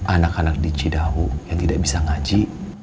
anak anak di cidahu yang tidak bisa ngaji